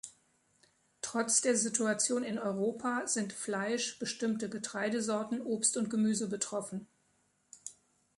Trotz der Situation in Europa sind Fleisch, bestimmte Getreidesorten, Obst und Gemüse betroffen.